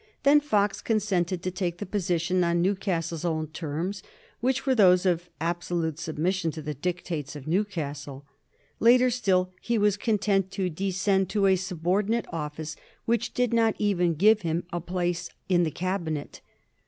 Then Fox consented to take the position on Newcastle's own terms, which were those of absolute submission to the dictates of Newcastle. Later still he was content to descend to a subordinate office which did not even give him a place in the Cabinet.